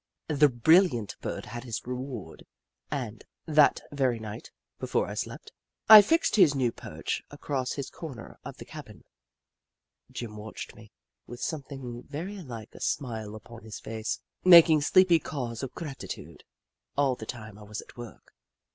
The brilliant Bird had his reward, and, that very night, before I slept, I fixed his new perch across his old corner of the cabin. Jim watched me, with something very like a smile upon his face, making sleepy caws of gratitude all the time I was at work.